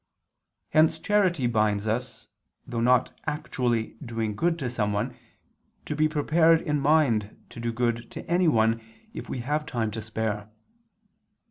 Hence charity binds us, though not actually doing good to someone, to be prepared in mind to do good to anyone if we have time to spare.